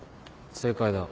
正解だ。